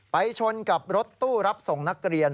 ชนกับรถตู้รับส่งนักเรียน